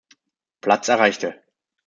Platz erreichte.